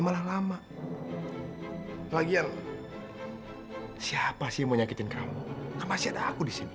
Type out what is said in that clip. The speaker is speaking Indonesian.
malah lama lagian siapa sih menyakitkan kamu masih ada aku di sini